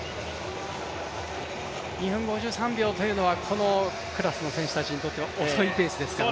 ２分５３秒というのはこのクラスの選手にとっては遅いですね。